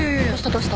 どうした？